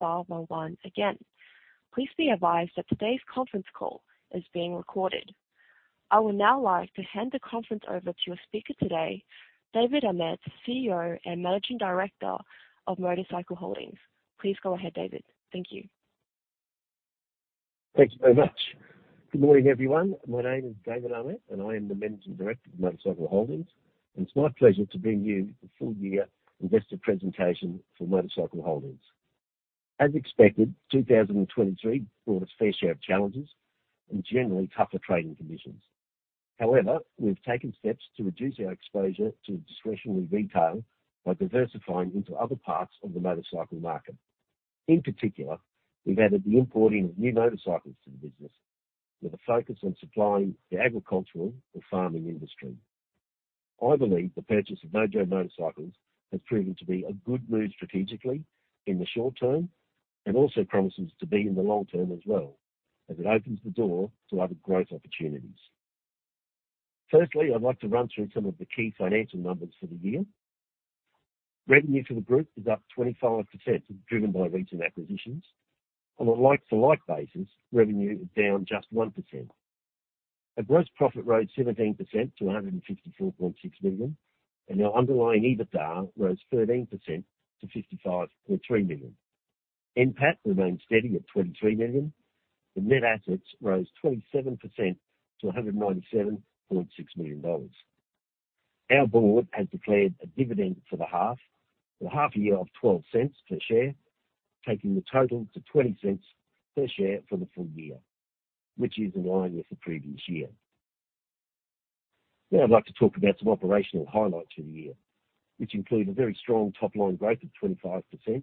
Dial one again. Please be advised that today's conference call is being recorded. I would now like to hand the conference over to your speaker today, David Ahmet, CEO and Managing Director of MotorCycle Holdings. Please go ahead, David. Thank you. Thank you very much. Good morning, everyone. My name is David Ahmet, and I am the Managing Director of MotorCycle Holdings, and it's my pleasure to bring you the full year investor presentation for MotorCycle Holdings. As expected, 2023 brought its fair share of challenges and generally tougher trading conditions. However, we've taken steps to reduce our exposure to discretionary retail by diversifying into other parts of the motorcycle market. In particular, we've added the importing of new motorcycles to the business with a focus on supplying the agricultural and farming industry. I believe the purchase of Mojo Motorcycles has proven to be a good move strategically in the short term and also promises to be in the long term as well, as it opens the door to other growth opportunities. Firstly, I'd like to run through some of the key financial numbers for the year. Revenue for the group is up 25%, driven by recent acquisitions. On a like-for-like basis, revenue is down just 1%. Our gross profit rose 17% to 154.6 million, and our underlying EBITDA rose 13% to 55.3 million. NPAT remained steady at 23 million. The net assets rose 27% to 197.6 million dollars. Our board has declared a dividend for the half, for half a year of 0.12 per share, taking the total to 0.20 per share for the full year, which is in line with the previous year. Now, I'd like to talk about some operational highlights for the year, which include a very strong top-line growth of 25%.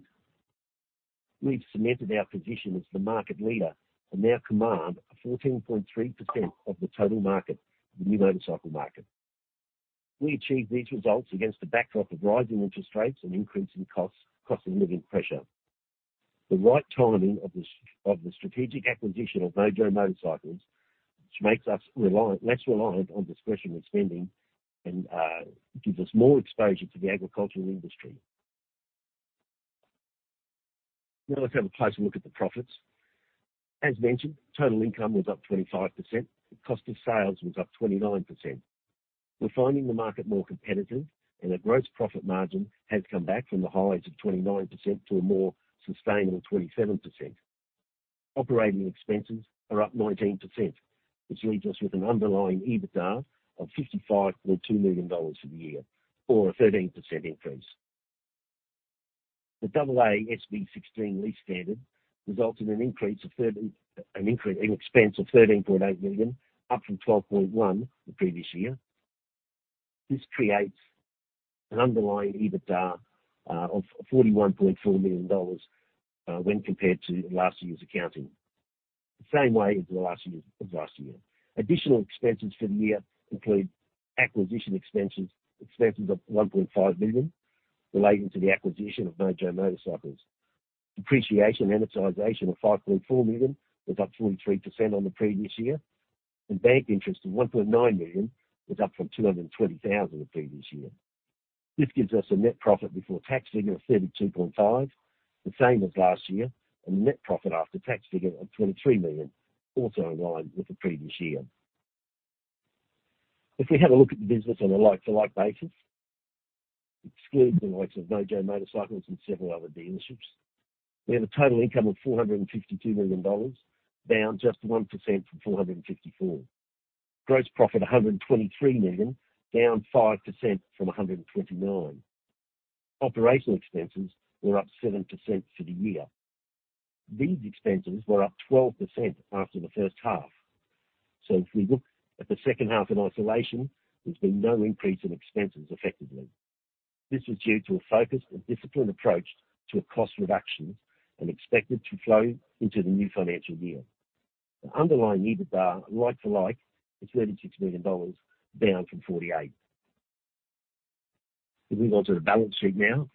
We've cemented our position as the market leader and now command a 14.3% of the total market, the new motorcycle market. We achieved these results against the backdrop of rising interest rates and increasing costs, cost of living pressure. The right timing of the strategic acquisition of Mojo Motorcycles, which makes us reliant, less reliant on discretionary spending and gives us more exposure to the agricultural industry. Now, let's have a closer look at the profits. As mentioned, total income was up 25%. The cost of sales was up 29%. We're finding the market more competitive, and a gross profit margin has come back from the highs of 29% to a more sustainable 27%. Operating expenses are up 19%, which leaves us with an underlying EBITDA of 55.2 million dollars for the year, or a 13% increase. The AASB 16 lease standard results in an increase of thirteen, an increase in expense of 13.8 million, up from 12.1 million the previous year. This creates an underlying EBITDA of 41.4 million dollars, when compared to last year's accounting. The same way as the last year, of last year. Additional expenses for the year include acquisition expenses, expenses of 1.5 million relating to the acquisition of Mojo Motorcycles. Depreciation and amortization of 5.4 million was up 43% on the previous year, and bank interest of 1.9 million was up from 220,000 the previous year. This gives us a net profit before tax figure of 32.5 million, the same as last year, and a net profit after tax figure of 23 million, also in line with the previous year. If we had a look at the business on a like-for-like basis, excludes the likes of Mojo Motorcycles and several other dealerships, we have a total income of 452 million dollars, down just 1% from 454. Gross profit, 123 million, down 5% from 129. Operational expenses were up 7% for the year. These expenses were up 12% after the first half. So if we look at the second half in isolation, there's been no increase in expenses effectively. This was due to a focused and disciplined approach to a cost reductions and expected to flow into the new financial year. The underlying EBITDA, like-for-like, is 36 million dollars, down from 48 million. We move on to the balance sheet now.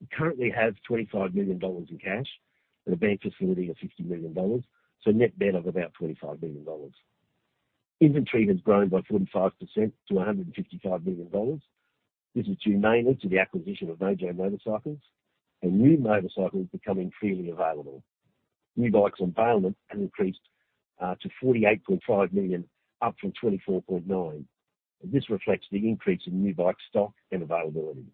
We currently have 25 million dollars in cash and a bank facility of 50 million dollars, so a net debt of about 25 million dollars. Inventory has grown by 45% to 155 million dollars. This is due mainly to the acquisition of Mojo Motorcycles and new motorcycles becoming freely available. New bikes on bailment have increased to 48.5 million, up from 24.9 million, and this reflects the increase in new bike stock and availability.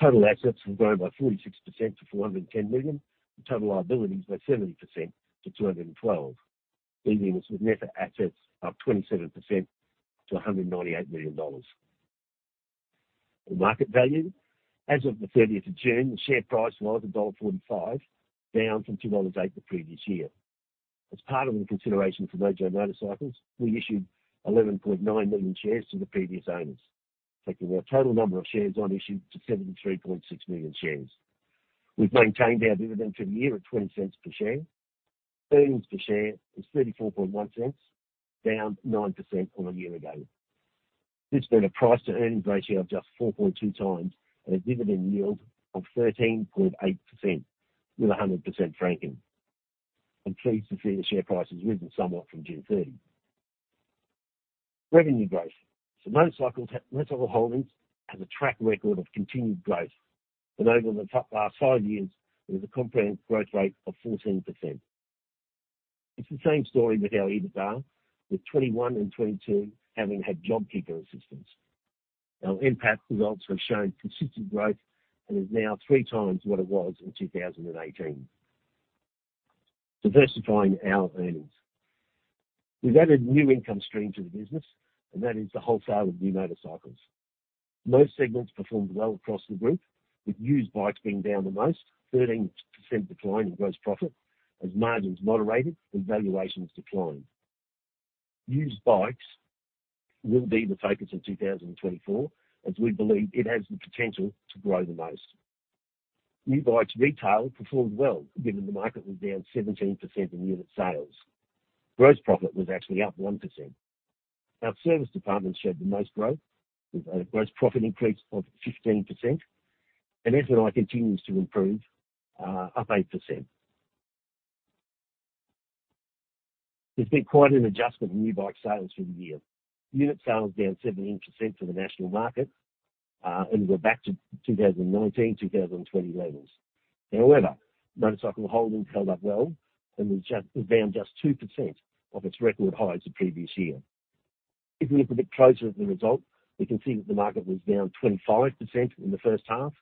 Total assets have grown by 46% to 410 million. The total liabilities by 70% to 212 million, leaving us with net assets up 27% to 198 million dollars. The market value. As of the 30th of June, the share price was dollar 1.45, down from 2.08 dollars the previous year. As part of the consideration for Mojo Motorcycles, we issued 11.9 million shares to the previous owners, taking our total number of shares on issue to 73.6 million shares. We've maintained our dividend for the year at 0.20 per share. Earnings per share is 0.341, down 9% from a year ago. This being a price to earnings ratio of just 4.2x and a dividend yield of 13.8%, with 100% franking. I'm pleased to see the share price has risen somewhat from June 30.... Revenue growth. So MotorCycle Holdings has a track record of continued growth, and over the past five years, there's a comprehensive growth rate of 14%. It's the same story with our EBITDA, with 2021 and 2022 having had JobKeeper assistance. Our NPAT results have shown consistent growth and is now 3x what it was in 2018. Diversifying our earnings. We've added a new income stream to the business, and that is the wholesale of new motorcycles. Most segments performed well across the group, with used bikes being down the most, 13% decline in gross profit as margins moderated and valuations declined. Used bikes will be the focus in 2024, as we believe it has the potential to grow the most. New bikes retail performed well, given the market was down 17% in unit sales. Gross profit was actually up 1%. Our service department showed the most growth, with a gross profit increase of 15%, and F&I continues to improve, up 8%. There's been quite an adjustment in new bike sales for the year. Unit sales down 17% for the national market, and we're back to 2019, 2020 levels. However, MotorCycle Holdings held up well and was down just 2% of its record highs the previous year. If we look a bit closer at the result, we can see that the market was down 25% in the first half,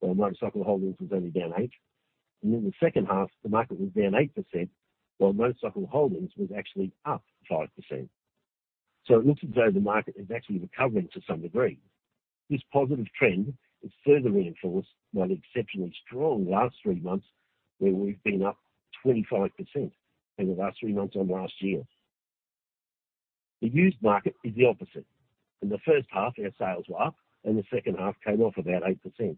while MotorCycle Holdings was only down 8%. And in the second half, the market was down 8%, while MotorCycle Holdings was actually up 5%. So it looks as though the market is actually recovering to some degree. This positive trend is further reinforced by the exceptionally strong last three months, where we've been up 25% in the last three months on last year. The used market is the opposite. In the first half, our sales were up and the second half came off about 8%.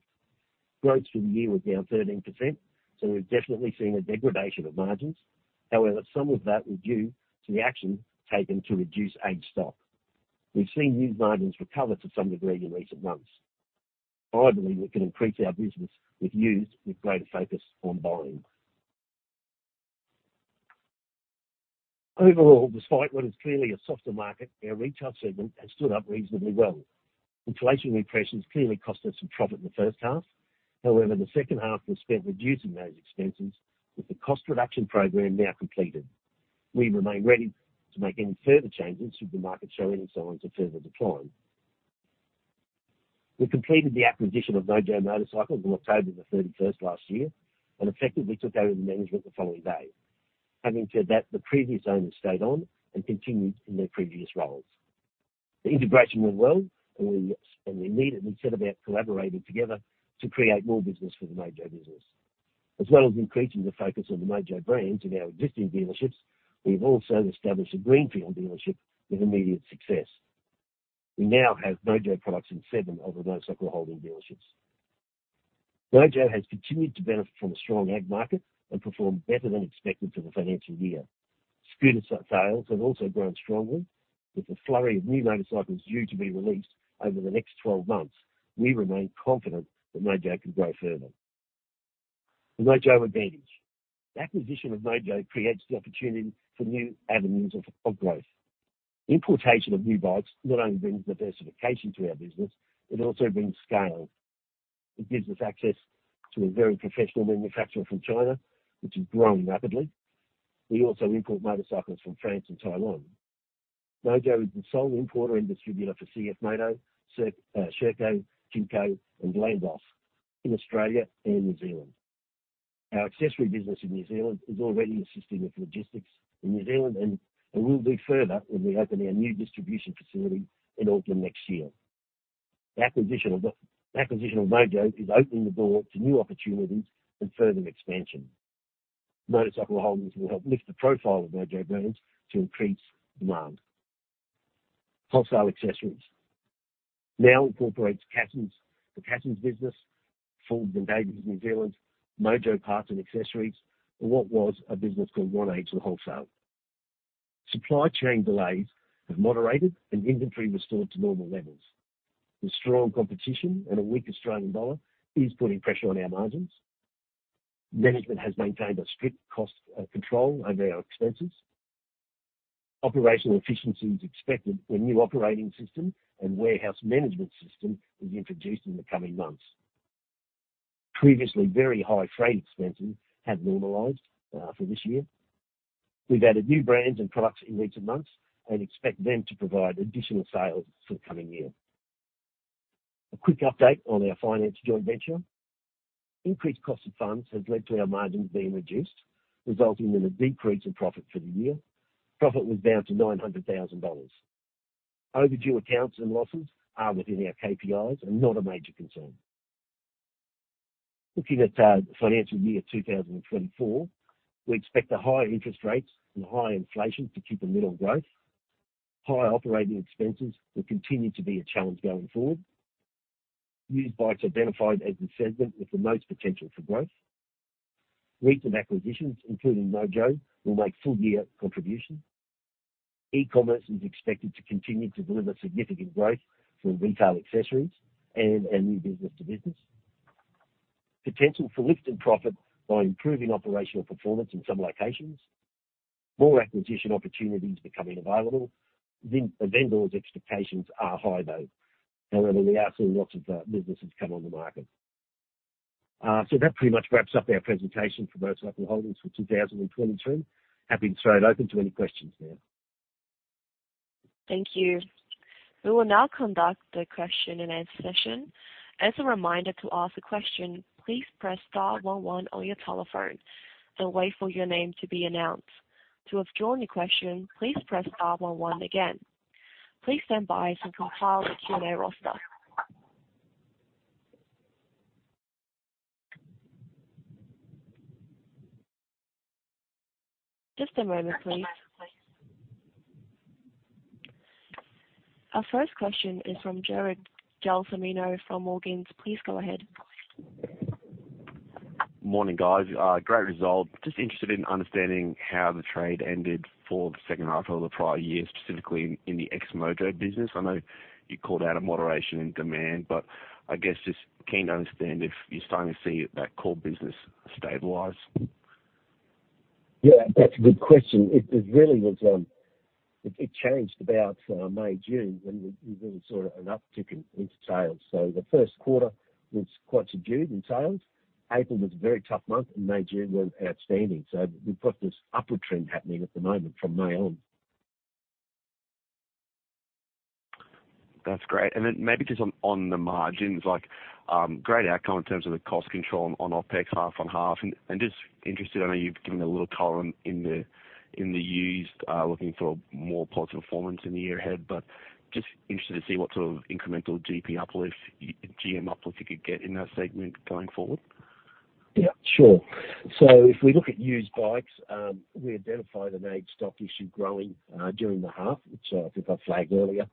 Growth for the year was down 13%, so we've definitely seen a degradation of margins. However, some of that was due to the action taken to reduce aged stock. We've seen used margins recover to some degree in recent months. I believe we can increase our business with used, with greater focus on buying. Overall, despite what is clearly a softer market, our retail segment has stood up reasonably well. Inflationary pressures clearly cost us some profit in the first half. However, the second half was spent reducing those expenses, with the cost reduction program now completed. We remain ready to make any further changes should the market show any signs of further decline. We completed the acquisition of Mojo Motorcycles on October 31st last year and effectively took over the management the following day. Having said that, the previous owners stayed on and continued in their previous roles. The integration went well, and we immediately set about collaborating together to create more business for the Mojo business. As well as increasing the focus on the Mojo brands in our existing dealerships, we've also established a greenfield dealership with immediate success. We now have Mojo products in seven of the Motorcycle Holdings dealerships. Mojo has continued to benefit from a strong ag market and performed better than expected for the financial year. Scooter sales have also grown strongly, with a flurry of new motorcycles due to be released over the next 12 months. We remain confident that Mojo can grow further. The Mojo advantage. The acquisition of Mojo creates the opportunity for new avenues of growth. Importation of new bikes not only brings diversification to our business, it also brings scale. It gives us access to a very professional manufacturer from China, which is growing rapidly. We also import motorcycles from France and Taiwan. Mojo is the sole importer and distributor for CFMOTO, Sherco, KYMCO, and Landboss in Australia and New Zealand. Our accessory business in New Zealand is already assisting with logistics in New Zealand and will do further when we open our new distribution facility in Auckland next year. The acquisition of Mojo is opening the door to new opportunities and further expansion. Motorcycle Holdings will help lift the profile of Mojo brands to increase demand. Wholesale accessories. Now incorporates Cassons, the Cassons business, Forbes and Davies New Zealand, Mojo Parts and Accessories, and what was a business called One Age Wholesale. Supply chain delays have moderated, and inventory restored to normal levels. The strong competition and a weak Australian dollar is putting pressure on our margins. Management has maintained a strict cost control over our expenses. Operational efficiency is expected when new operating system and warehouse management system is introduced in the coming months. Previously, very high freight expenses have normalized for this year. We've added new brands and products in recent months and expect them to provide additional sales for the coming year. A quick update on our finance joint venture. Increased cost of funds has led to our margins being reduced, resulting in a decrease in profit for the year. Profit was down to 900,000 dollars. Overdue accounts and losses are within our KPIs and not a major concern. Looking at the financial year 2024, we expect the higher interest rates and higher inflation to keep a lid on growth. Higher operating expenses will continue to be a challenge going forward. Used bikes are identified as the segment with the most potential for growth. Recent acquisitions, including Mojo, will make full-year contributions. E-commerce is expected to continue to deliver significant growth for retail accessories and new business to business potential for lift in profit by improving operational performance in some locations. More acquisition opportunities becoming available. The vendors' expectations are high, though. However, we are seeing lots of businesses come on the market. So that pretty much wraps up our presentation for MotorCycle Holdings for 2022. Happy to throw it open to any questions now. Thank you. We will now conduct the question and answer session. As a reminder, to ask a question, please press star one one on your telephone, then wait for your name to be announced. To withdraw your question, please press star one one again. Please stand by as we compile the Q&A roster. Just a moment, please. Our first question is from Jared Gelsomino from Morgans. Please go ahead. Morning, guys. Great result. Just interested in understanding how the trade ended for the second half of the prior year, specifically in the ex-Mojo business. I know you called out a moderation in demand, but I guess just keen to understand if you're starting to see that core business stabilize. Yeah, that's a good question. It really was. It changed about May, June, when we really saw an uptick in sales. So the first quarter was quite subdued in sales. April was a very tough month, and May, June was outstanding. So we've got this upward trend happening at the moment from May on. That's great. And then maybe just on, on the margins, like, great outcome in terms of the cost control on OpEx, half on half. And, and just interested, I know you've given a little color in the, in the used, looking for more positive performance in the year ahead, but just interested to see what sort of incremental GP uplift, GM uplift you could get in that segment going forward. Yeah, sure. So if we look at used bikes, we identified an aged stock issue growing during the half, which I think I flagged earlier.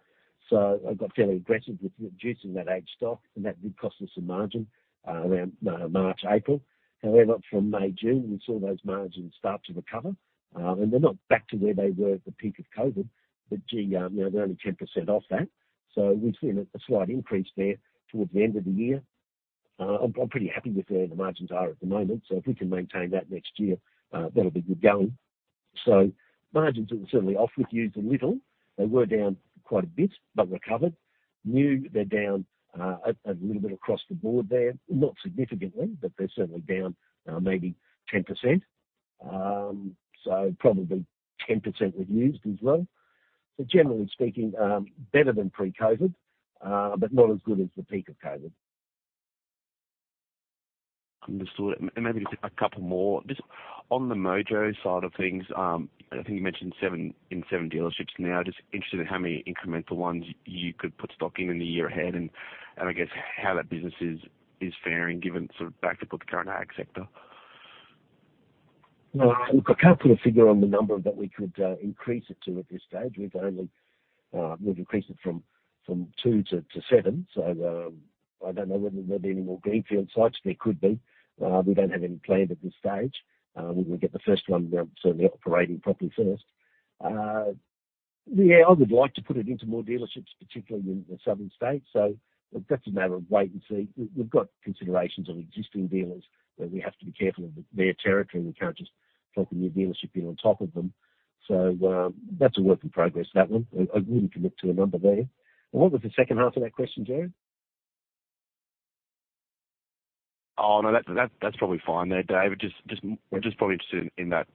So I got fairly aggressive with reducing that aged stock, and that did cost us some margin around March, April. However, from May, June, we saw those margins start to recover. And they're not back to where they were at the peak of COVID, but gee, they're only 10% off that, so we've seen a slight increase there towards the end of the year. I'm pretty happy with where the margins are at the moment, so if we can maintain that next year, that'll be good going. So margins are certainly off with used a little. They were down quite a bit, but recovered. Now, they're down a little bit across the board there. Not significantly, but they're certainly down, maybe 10%. So probably 10% with used as well. So generally speaking, better than pre-COVID, but not as good as the peak of COVID. Understood. And maybe just a couple more. Just on the Mojo side of things, I think you mentioned seven in seven dealerships now. Just interested in how many incremental ones you could put stock in in the year ahead and I guess how that business is faring, given sort of back to put the current ag sector. Well, look, I can't put a figure on the number that we could increase it to at this stage. We've only... we've increased it from 2 to 7, so I don't know whether there'll be any more greenfield sites. There could be. We don't have any planned at this stage. We will get the first one certainly operating properly first. Yeah, I would like to put it into more dealerships, particularly in the southern states. So that's a matter of wait and see. We've got considerations on existing dealers, where we have to be careful of their territory. We can't just plop a new dealership in on top of them. So that's a work in progress, that one. I wouldn't commit to a number there. And what was the second half of that question, Jared? Oh, no, that's probably fine there, Dave. Just, we're probably interested in that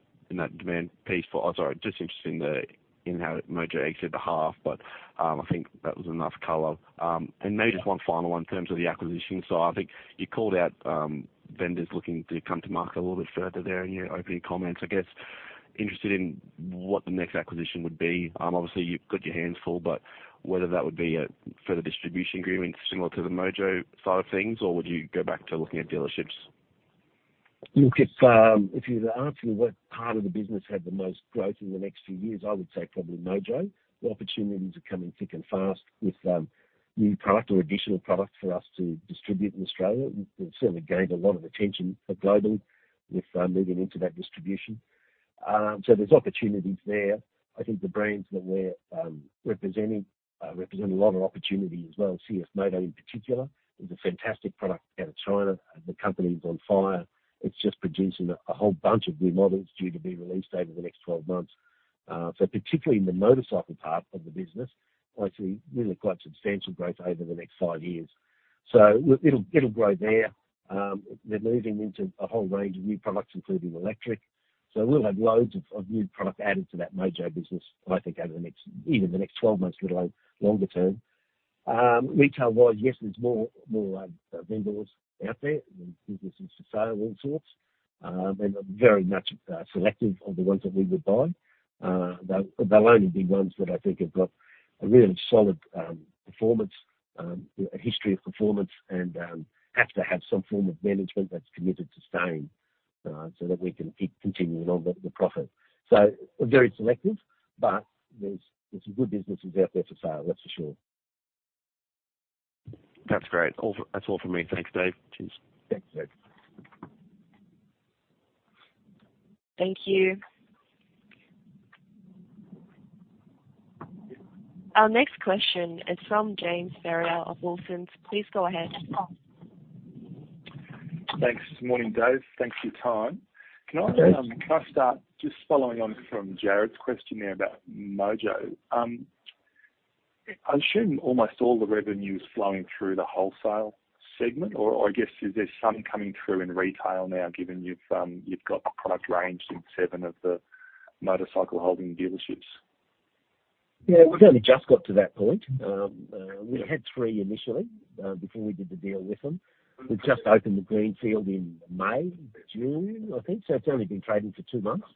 demand piece for... Oh, sorry, just interested in how Mojo exited the half, but I think that was enough color. And maybe just one final one in terms of the acquisition. So I think you called out vendors looking to come to market a little bit further there in your opening comments. I guess interested in what the next acquisition would be. Obviously, you've got your hands full, but whether that would be a further distribution agreement similar to the Mojo side of things, or would you go back to looking at dealerships? Look, if, if you're asking what part of the business had the most growth in the next few years, I would say probably Mojo. The opportunities are coming thick and fast with, new product or additional products for us to distribute in Australia. We've, we've certainly gained a lot of attention globally with, moving into that distribution. So there's opportunities there. I think the brands that we're, representing, represent a lot of opportunity as well. CFMOTO in particular, is a fantastic product out of China. The company is on fire. It's just producing a whole bunch of new models due to be released over the next 12 months. So particularly in the motorcycle part of the business, I see really quite substantial growth over the next five years. So it'll, it'll grow there. We're moving into a whole range of new products, including electric. So we'll have loads of new product added to that Mojo business, I think over the next, either the next 12 months or longer term. Retail wide, yes, there's more vendors out there, and businesses for sale, all sorts. And I'm very much selective of the ones that we would buy. They'll only be ones that I think have got a really solid performance, a history of performance and have to have some form of management that's committed to staying, so that we can keep continuing on the profit. So we're very selective, but there's some good businesses out there for sale, that's for sure. That's great. That's all for me. Thanks, Dave. Cheers. Thanks, Jared. Thank you. Our next question is from James Ferrier of Wilsons. Please go ahead. Thanks. Morning, Dave. Thanks for your time. Hey, James. Can I start just following on from Jared's question there about Mojo? I assume almost all the revenue is flowing through the wholesale segment, or, or I guess, is there some coming through in retail now, given you've got the product range in seven of the MotorCycle Holdings dealerships? Yeah, we've only just got to that point. We had three initially before we did the deal with them. We've just opened the greenfield in May, June, I think. So it's only been trading for two months.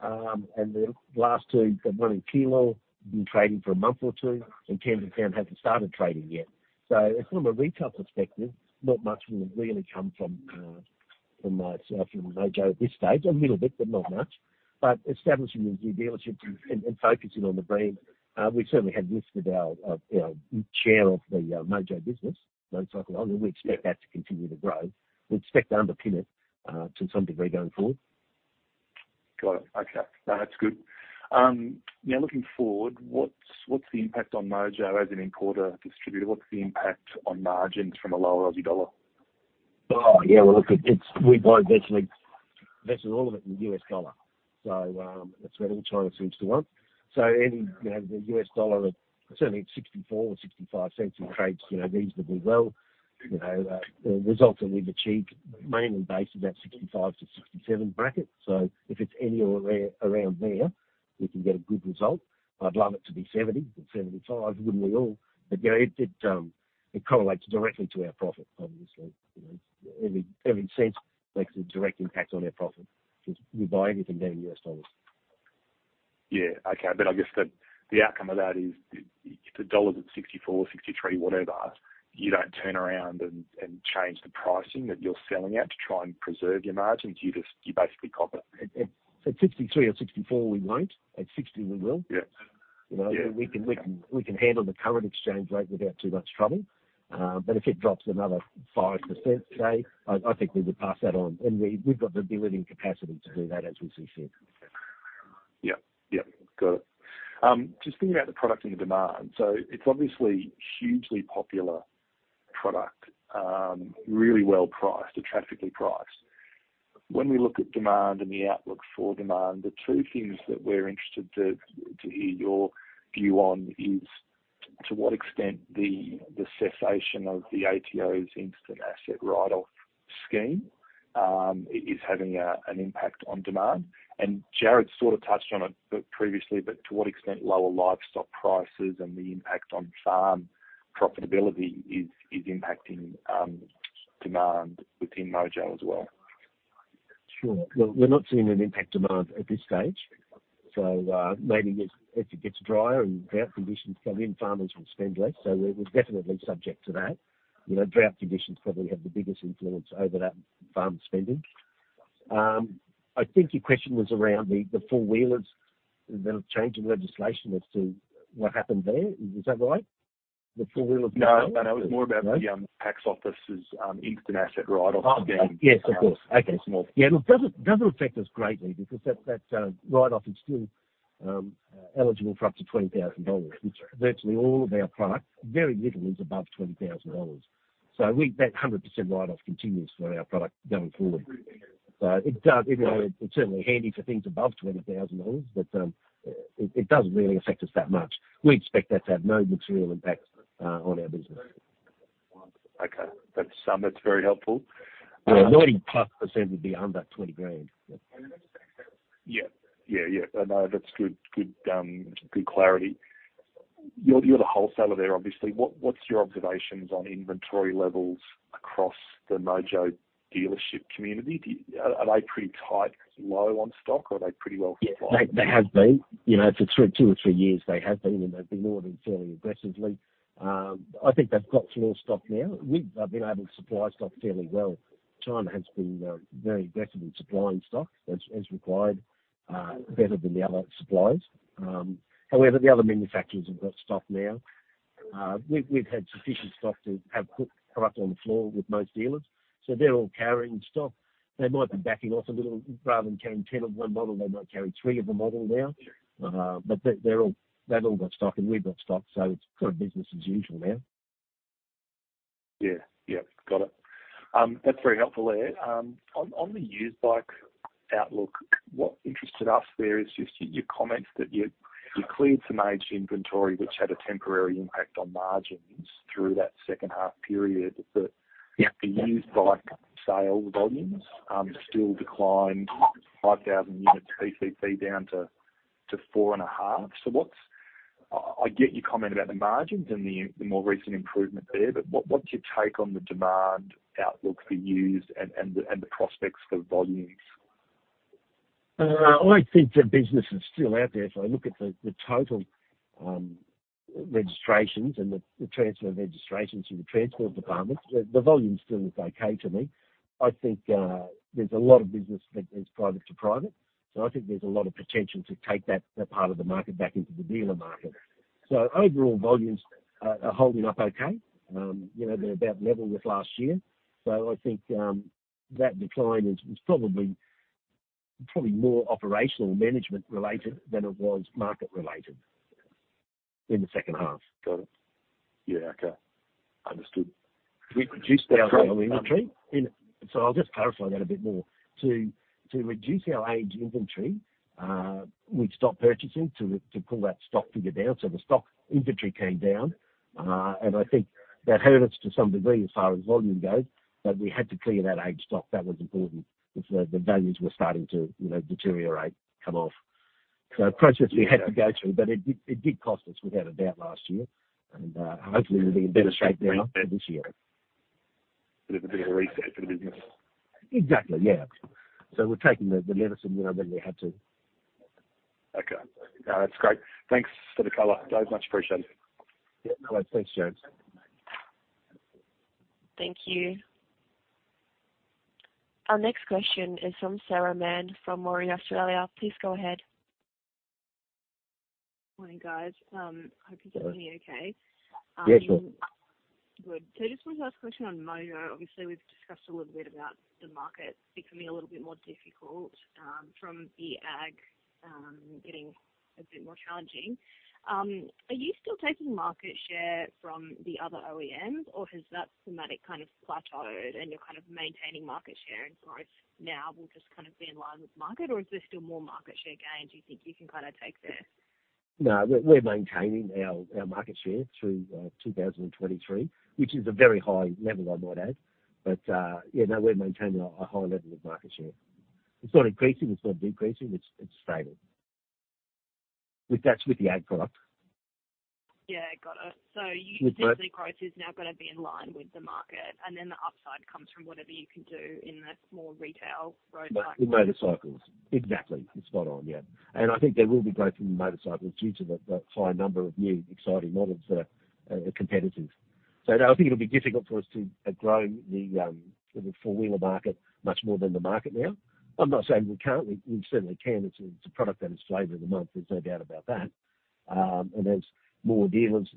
And the last two, the one in Keilor, been trading for a month or two, and Campbelltown hasn't started trading yet. So from a retail perspective, not much will really come from myself in Mojo at this stage, a little bit, but not much. But establishing the new dealership and focusing on the brand, we certainly have listed our our share of the Mojo business, Motorcycle, and we expect that to continue to grow. We expect to underpin it to some degree going forward. Got it. Okay. No, that's good. Now, looking forward, what's the impact on Mojo as an importer distributor? What's the impact on margins from a lower Aussie dollar? Oh, yeah, well, look, it's we buy virtually all of it in U.S. dollars. So, that's what all China seems to want. So any, you know, the U.S. dollar, certainly 0.64 or 0.65 trades, you know, reasonably well. You know, the results that we've achieved mainly based on that 0.65-0.67 bracket. So if it's anywhere around there, we can get a good result. I'd love it to be 0.70, 0.75, wouldn't we all? But, you know, it correlates directly to our profit, obviously, you know. Every cent makes a direct impact on our profit since we buy everything in U.S. dollars. Yeah. Okay, but I guess the, the outcome of that is, if the dollar's at 64-63, whatever, you don't turn around and, and change the pricing that you're selling at to try and preserve your margins. You just, you basically cop it. At 63 or 64, we won't. At 60, we will. Yeah. You know- Yeah. We can, we can, we can handle the current exchange rate without too much trouble. But if it drops another 5% today, I, I think we would pass that on. And we, we've got the delivery capacity to do that, as we sit here. Yep. Yep. Got it. Just thinking about the product and the demand. So it's obviously a hugely popular product, really well priced, attractively priced. When we look at demand and the outlook for demand, the two things that we're interested to hear your view on is, to what extent the cessation of the ATO's instant asset write-off scheme is having an impact on demand? And Jared sort of touched on it previously, but to what extent lower livestock prices and the impact on farm profitability is impacting demand within Mojo as well? Sure. Well, we're not seeing an impact demand at this stage, so maybe as it gets drier and drought conditions come in, farmers will spend less, so we're definitely subject to that. You know, drought conditions probably have the biggest influence over that farm spending. I think your question was around the four-wheelers, that change in legislation as to what happened there. Is that right? The four-wheeler- No, no, it was more about the tax office's Instant Asset Write-Off scheme. Oh, yes, of course. Okay. Yeah, look, it doesn't affect us greatly because that write-off is still eligible for up to 20,000 dollars, which virtually all of our products, very little is above 20,000 dollars. So that 100% write-off continues for our product going forward. So it does, you know, it's certainly handy for things above 20,000 dollars, but it doesn't really affect us that much. We expect that to have no material impact on our business. Okay. That's, that's very helpful. 90+% would be under 20,000. Yeah. Yeah, yeah. I know. That's good, good, good clarity. You're the wholesaler there, obviously. What's your observations on inventory levels across the Mojo dealership community? Are they pretty tight, low on stock, or are they pretty well supplied? Yeah, they have been. You know, for two or three years, they have been, and they've been ordering fairly aggressively. I think they've got more stock now. We've been able to supply stock fairly well. China has been very aggressive in supplying stock as required, better than the other suppliers. However, the other manufacturers have got stock now. We've had sufficient stock to have put product on the floor with most dealers, so they're all carrying stock. They might be backing off a little. Rather than carrying 10 of one model, they might carry three of the model now. But they, they're all—they've all got stock, and we've got stock, so it's kind of business as usual now. Yeah. Yep, got it. That's very helpful there. On the used bike outlook, what interested us there is just your comments that you cleared some aged inventory, which had a temporary impact on margins through that second half period. Yeah. But the used bike sales volumes still declined 5,000 units PCP, down to 4.5. So what's—I get your comment about the margins and the more recent improvement there, but what's your take on the demand outlook for used and the prospects for volumes? I think the business is still out there. If I look at the total registrations and the transfer of registrations in the transport department, the volume still looks okay to me. I think there's a lot of business that is private to private, so I think there's a lot of potential to take that part of the market back into the dealer market. So overall volumes are holding up okay. You know, they're about level with last year. So I think that decline is probably more operational management related than it was market related in the second half. Got it. Yeah, okay. Understood. We reduced our inventory. So I'll just clarify that a bit more. To reduce our age inventory, we stopped purchasing to pull that stock figure down. So the stock inventory came down, and I think that hurt us to some degree as far as volume goes, but we had to clear that age stock. That was important because the values were starting to, you know, deteriorate, come off. So a process we had to go through, but it did cost us without a doubt, last year, and hopefully we'll be in better shape now this year. A bit of a reset for the business. Exactly, yeah. So we're taking the medicine, you know, that we had to. Okay. No, that's great. Thanks for the color. So much appreciated. Yeah, no worries. Thanks, James. Thank you. Our next question is from Sarah Mann, from Moelis Australia. Please go ahead. Morning, guys. Hope you're doing okay. Yes. Good. So I just wanted to ask a question on Mojo. Obviously, we've discussed a little bit about the market becoming a little bit more difficult, from the ag, getting a bit more challenging. Are you still taking market share from the other OEMs, or has that thematic kind of plateaued and you're kind of maintaining market share, and growth now will just kind of be in line with the market? Or is there still more market share gains you think you can kind of take there? No, we're maintaining our market share through 2023, which is a very high level, I might add. But yeah, no, we're maintaining a high level of market share. It's not increasing, it's not decreasing. It's stable. With that, the ag product. Yeah, got it. So you- With the- Prices now got to be in line with the market, and then the upside comes from whatever you can do in the small retail roadside. In motorcycles. Exactly. It's spot on, yeah. And I think there will be growth in motorcycles due to the high number of new exciting models that are competitive. So no, I think it'll be difficult for us to grow the four-wheeler market much more than the market now. I'm not saying we can't; we certainly can. It's a product that is flavor of the month; there's no doubt about that. And as more dealers,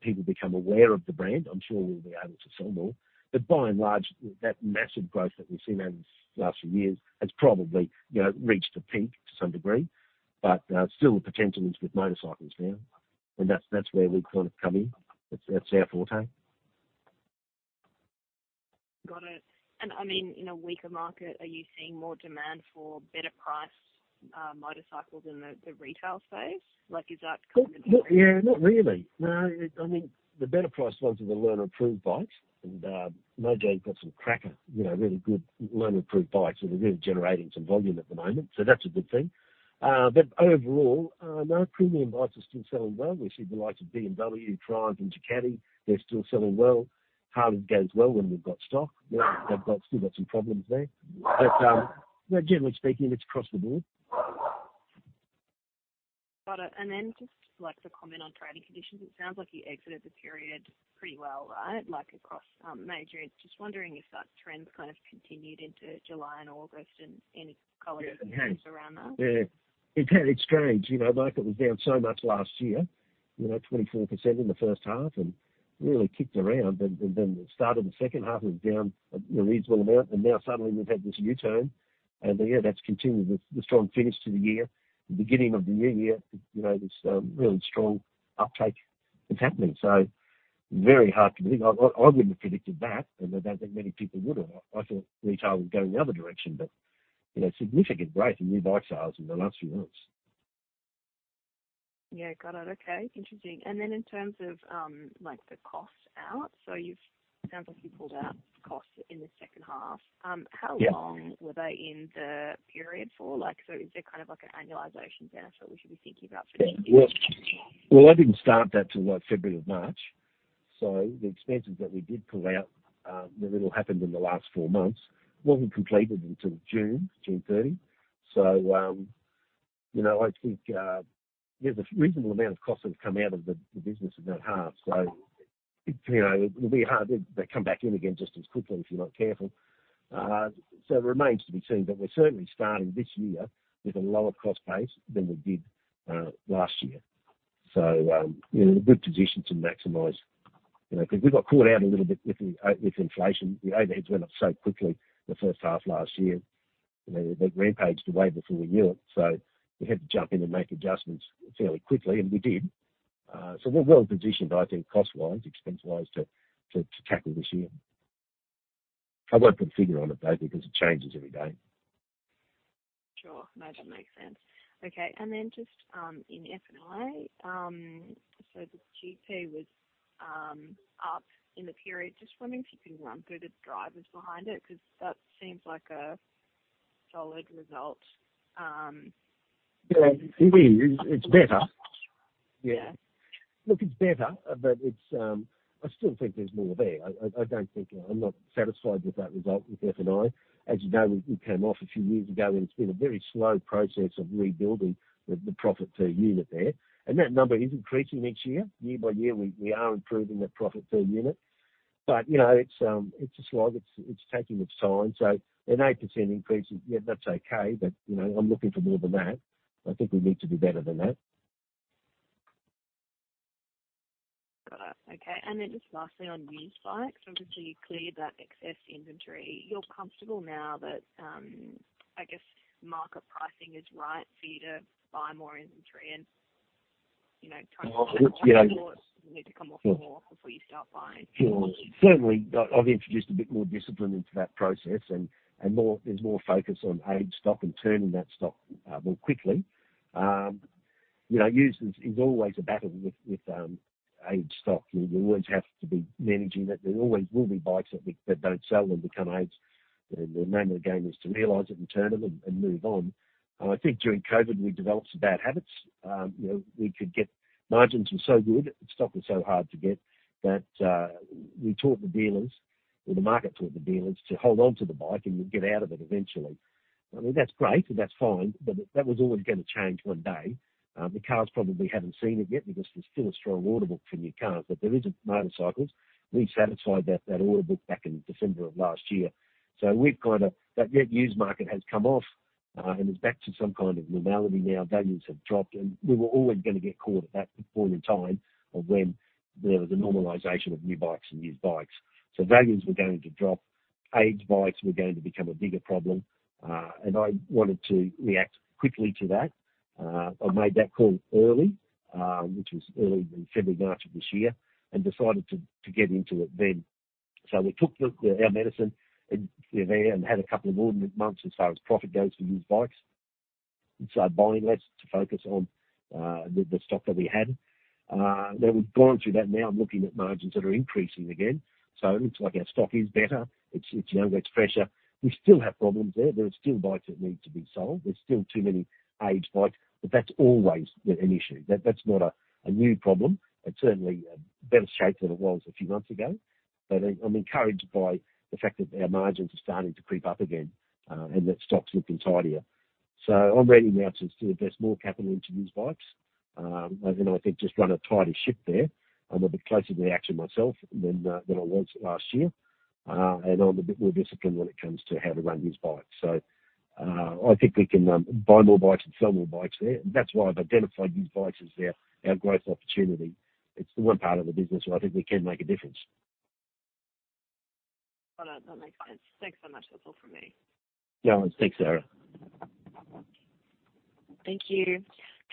people become aware of the brand, I'm sure we'll be able to sell more. But by and large, that massive growth that we've seen over the last few years has probably, you know, reached a peak to some degree. But still the potential is with motorcycles now, and that's where we kind of come in. That's our forte. Got it. And I mean, in a weaker market, are you seeing more demand for better-priced motorcycles in the retail space? Like, is that- Well, yeah, not really. No, I mean, the better-priced ones are the learner approved bikes, and Mojo got some cracker, you know, really good learner approved bikes, and they're really generating some volume at the moment, so that's a good thing. But overall, no, premium bikes are still selling well. We see the likes of BMW, Triumph, and Ducati, they're still selling well. Harley goes well when we've got stock. They've got, still got some problems there. But generally speaking, it's across the board. Got it. And then just like the comment on trading conditions, it sounds like you exited the period pretty well, right? Like across, major... Just wondering if that trend kind of continued into July and August and any color- Yeah, it has. Around that? Yeah. It's had, it's strange, you know, market was down so much last year, you know, 24% in the first half and really kicked around. And then the start of the second half was down a reasonable amount, and now suddenly we've had this U-turn. And, yeah, that's continued with the strong finish to the year, the beginning of the new year, you know, this really strong uptake that's happening. So very hard to believe. I wouldn't have predicted that, and I don't think many people would have. I thought retail would go in the other direction, but, you know, significant growth in new bike sales in the last few months. Yeah. Got it. Okay, interesting. And then in terms of, like, the cost out, so you've—sounds like you pulled out costs in the second half. Yeah. How long were they in the period for? Like, so is there kind of like an annualization benefit we should be thinking about for the- Well, I didn't start that till, like, February or March. So the expenses that we did pull out, that it all happened in the last four months, wasn't completed until June 30. So, you know, I think, yeah, there's a reasonable amount of costs have come out of the, the business in that half. So, you know, it will be hard to come back in again, just as quickly, if you're not careful. So it remains to be seen, but we're certainly starting this year with a lower cost base than we did, last year. So, we're in a good position to maximize, you know, because we got caught out a little bit with the, with inflation. The overheads went up so quickly in the first half last year, you know, they rampaged away before we knew it, so we had to jump in and make adjustments fairly quickly, and we did. So we're well positioned, I think, cost-wise, expense-wise, to tackle this year. I won't put a figure on it, though, because it changes every day. Sure. No, that makes sense. Okay, and then just in F&I, so the GP was up in the period. Just wondering if you can run through the drivers behind it, because that seems like a solid result. Yeah, it is. It's better. Yeah. Look, it's better, but it's, I still think there's more there. I don't think... I'm not satisfied with that result with F&I. As you know, we came off a few years ago, and it's been a very slow process of rebuilding the profit per unit there. And that number is increasing each year. Year by year, we are improving that profit per unit. But, you know, it's a slog. It's taking its time. So an 8% increase, yeah, that's okay, but, you know, I'm looking for more than that. I think we need to do better than that.... Okay, and then just lastly, on used bikes, so just so you clear that excess inventory, you're comfortable now that, I guess market pricing is right for you to buy more inventory and, you know, trying to- Well, yeah. Need to come off more before you start buying? Sure. Certainly, I've introduced a bit more discipline into that process and more—there's more focus on aged stock and turning that stock more quickly. You know, used is always a battle with aged stock. You always have to be managing it. There always will be bikes that we don't sell and become aged, and the name of the game is to realize it and turn them and move on. And I think during COVID, we developed some bad habits. You know, we could get... Margins were so good and stock was so hard to get that we taught the dealers, or the market taught the dealers to hold on to the bike, and you'll get out of it eventually. I mean, that's great, and that's fine, but that was always going to change one day. The cars probably haven't seen it yet because there's still a strong order tbook for new cars, but there isn't motorcycles. We satisfied that order book back in December of last year. So we've kind of... The used market has come off and is back to some kind of normality now. Values have dropped, and we were always going to get caught at that point in time of when there was a normalization of new bikes and used bikes. So values were going to drop, aged bikes were going to become a bigger problem, and I wanted to react quickly to that. I made that call early, which was early in February, March of this year, and decided to get into it then. So we took our medicine and, you know, had a couple of ordinary months as far as profit goes for used bikes. And so buying less to focus on the stock that we had. Then we've gone through that now. I'm looking at margins that are increasing again. So it looks like our stock is better. It's younger, it's fresher. We still have problems there. There are still bikes that need to be sold. There's still too many aged bikes, but that's always an issue. That's not a new problem. It's certainly in better shape than it was a few months ago, but I'm encouraged by the fact that our margins are starting to creep up again, and that stock's looking tidier. So I'm ready now to invest more capital into used bikes, and then I think just run a tidy ship there. I'm a bit closer to the action myself than I was last year, and I'm a bit more disciplined when it comes to how to run these bikes. So, I think we can buy more bikes and sell more bikes there. That's why I've identified these bikes as our growth opportunity. It's the one part of the business where I think we can make a difference. Well, that makes sense. Thanks so much. That's all for me. Yeah, thanks, Sarah. Thank you.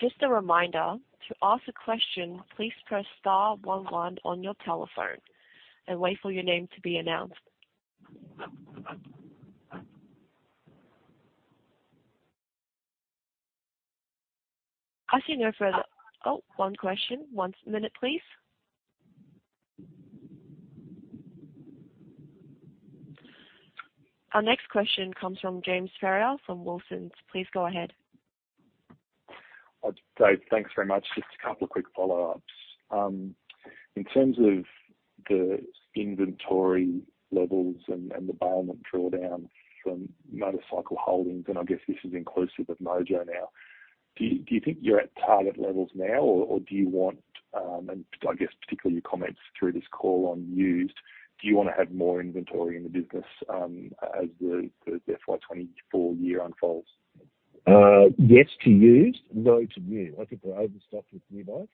Just a reminder, to ask a question, please press star one one on your telephone and wait for your name to be announced. I see no further... Oh, one question. One minute, please. Our next question comes from James Ferrier from Wilsons. Please go ahead. Dave, thanks very much. Just a couple of quick follow-ups. In terms of the inventory levels and the bailment drawdown from MotorCycle Holdings, and I guess this is inclusive of Mojo now, do you think you're at target levels now, or do you want, and I guess particularly your comments through this call on used, do you want to have more inventory in the business, as the FY 2024 year unfolds? Yes to used, no to new. I think we're overstocked with new bikes.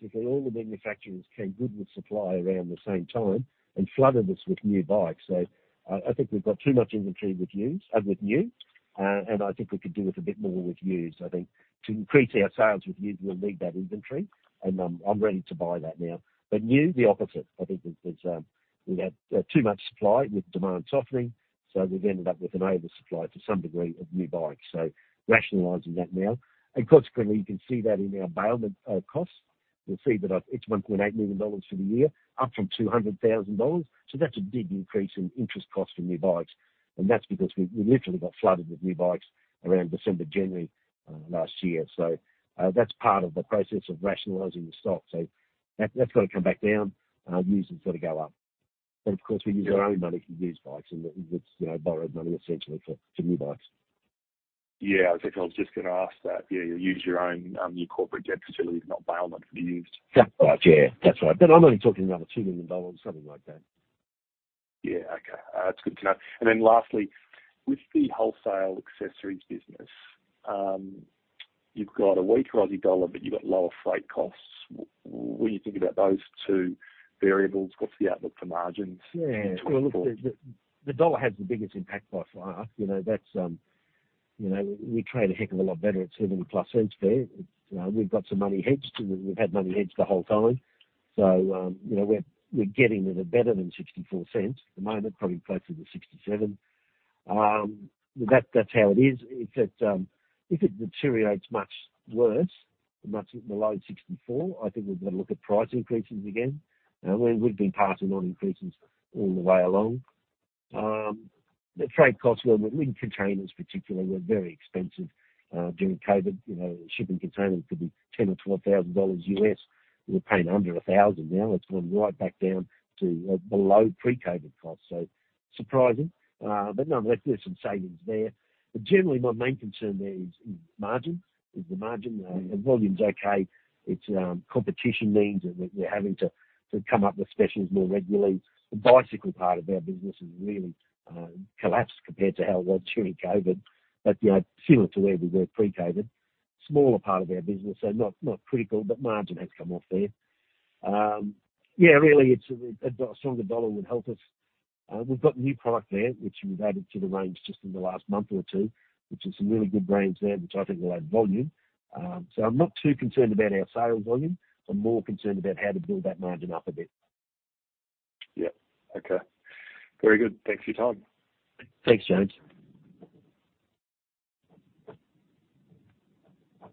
Basically, all the manufacturers came good with supply around the same time and flooded us with new bikes. So I think we've got too much inventory with used, with new, and I think we could do with a bit more with used. I think to increase our sales with used, we'll need that inventory, and I'm ready to buy that now. But new, the opposite. I think we have too much supply with demand softening, so we've ended up with an oversupply to some degree of new bikes. So rationalizing that now. And consequently, you can see that in our bailment costs. You'll see that it's 1.8 million dollars for the year, up from 200,000 dollars. So that's a big increase in interest costs for new bikes, and that's because we literally got flooded with new bikes around December, January last year. So that's part of the process of rationalizing the stock. So that that's got to come back down, used has got to go up. But of course, we use our own money for used bikes and it's you know borrowed money essentially for new bikes. Yeah, I think I was just going to ask that. Yeah, you use your own, your corporate debt facilities, not bailment, for used. Yeah, that's right. I'm only talking about 2 million, something like that. Yeah, okay. It's good to know. And then lastly, with the wholesale accessories business, you've got a weaker Aussie dollar, but you've got lower freight costs. What do you think about those two variables? What's the outlook for margins? Yeah, well, look, the dollar has the biggest impact by far. You know, that's, you know, we trade a heck of a lot better at 70+ cents there. We've got some money hedged, and we've had money hedged the whole time. So, you know, we're, we're getting to the better than 64 cents at the moment, probably closer to 67. That, that's how it is. If it, if it deteriorates much worse, much in the low 64, I think we've got to look at price increases again. We, we've been passing on increases all the way along. The freight costs were, with containers particularly, were very expensive, during COVID. You know, shipping containers could be $10,000-$12,000. We're paying under $1,000 now. It's gone right back down to, below pre-COVID costs. So surprising, but nonetheless, there's some savings there. But generally, my main concern there is margins, is the margin. Volume's okay. It's competition means that we're having to come up with specials more regularly. The bicycle part of our business has really collapsed compared to how it was during COVID, but, you know, similar to where we were pre-COVID. Smaller part of our business, so not critical, but margin has come off there. Yeah, really, it's a stronger dollar would help us. We've got the new product there, which we've added to the range just in the last month or two, which is some really good brands there, which I think will add volume. So I'm not too concerned about our sales volume. I'm more concerned about how to build that margin up a bit. Yeah. Okay. Very good. Thanks for your time. Thanks, James.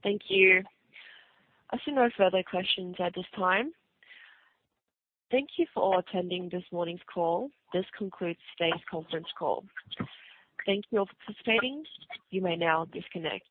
Thank you. I see no further questions at this time. Thank you for attending this morning's call. This concludes today's conference call. Thank you all for participating. You may now disconnect.